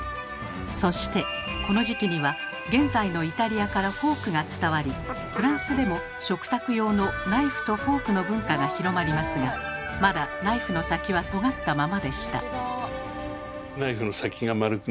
そしてこの時期には現在のイタリアからフォークが伝わりフランスでも食卓用のナイフとフォークの文化が広まりますがまだナイフの先はとがったままでした。